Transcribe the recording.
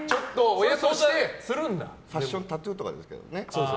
ファッションタトゥーですけどね。